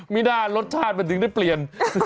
ไม่ได้รสชาติมันถึงได้เปลี่ยน